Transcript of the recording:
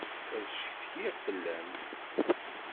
Ad ccetkiɣ fell-am.